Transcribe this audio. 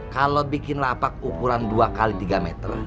kalau bikin lapak ukuran dua x tiga meter